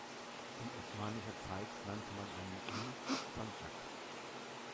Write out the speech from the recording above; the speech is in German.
In Osmanischer Zeit nannte man einen İl "Sandschak".